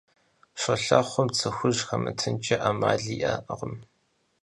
Щолэхъум цы хужь хэмытынкӀэ Ӏэмал иӀэкъым.